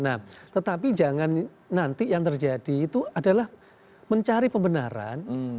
nah tetapi jangan nanti yang terjadi itu adalah mencari pembenaran